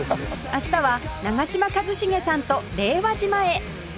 明日は長嶋一茂さんと令和島へ！